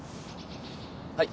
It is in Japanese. はい。